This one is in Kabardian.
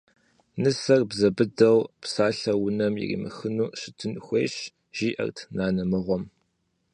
Нысэр бзэ быдэу, псалъэр унэм иримыхыу щытын хуейщ, – жиӀэрт нанэ мыгъуэм.